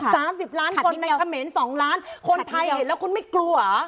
สามสิบล้านคนในเขมรสองล้านคนไทยเห็นแล้วคุณไม่กลัว